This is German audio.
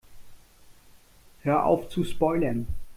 Hör auf zu spoilern!